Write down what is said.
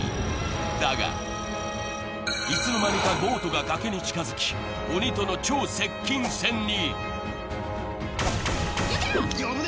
だが、いつの間にかボートが崖に近づき、鬼との超接近戦に。